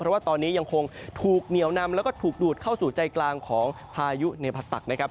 เพราะว่าตอนนี้ยังคงถูกเหนียวนำแล้วก็ถูกดูดเข้าสู่ใจกลางของพายุในผตตักนะครับ